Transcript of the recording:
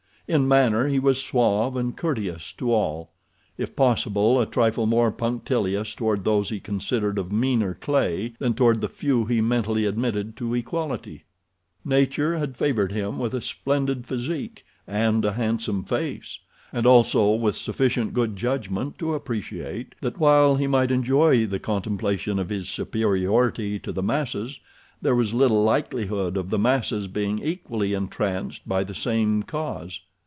In manner he was suave and courteous to all—if possible a trifle more punctilious toward those he considered of meaner clay than toward the few he mentally admitted to equality. Nature had favored him with a splendid physique and a handsome face, and also with sufficient good judgment to appreciate that while he might enjoy the contemplation of his superiority to the masses, there was little likelihood of the masses being equally entranced by the same cause.